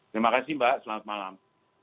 terima kasih mbak selamat malam